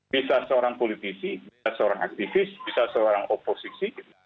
bisa seorang politisi bisa seorang aktivis bisa seorang oposisi